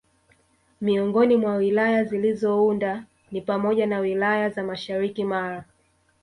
Miongoni mwa Wilaya zilizounda ni pamoja na wilaya za mashariki Mara